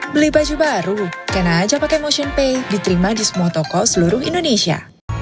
beli baju baru kena aja pakai motionpay diterima di semua toko seluruh indonesia